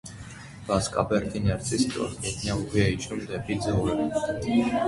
Վասկաբերդի ներսից ստորգետնյա ուղի է իջնում դեպի ձորը։